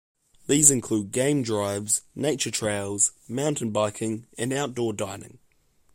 These include game drives, nature trails, mountain biking, and outdoor dining.